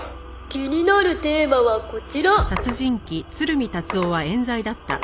「気になるテーマはこちら！」